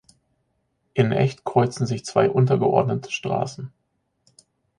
In Echt kreuzen sich zwei untergeordnete Straßen.